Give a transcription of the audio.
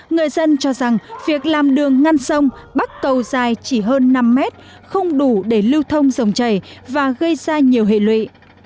người dân cho rằng việc làm đường ngăn sông bắc cầu dài chỉ hơn năm mét không đủ để lưu thông dòng chảy và gây ra nhiều hệ lụy